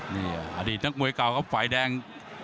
นี่อดีตนักมวยเก่าครับฝ่ายแดง